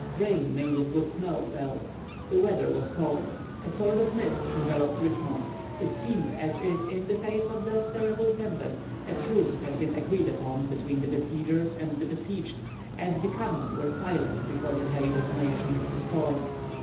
Rain mingled with snow fell. The weather was cold. A sort of mist enveloped Richmond. It seemed as if in the face of this terrible tempest a truce had been agreed upon between the besiegers and besieged, and the cannon were silent before the heavy detonations of the storm.